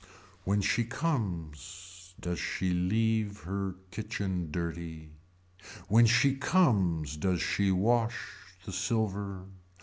When she comes does she leave her kitchen dirty. When she comes does she wash the silver.